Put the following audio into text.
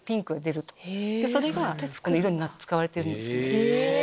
それが色に使われているんです。